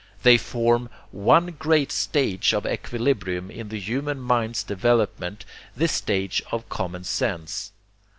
They form one great stage of equilibrium in the human mind's development, the stage of common sense.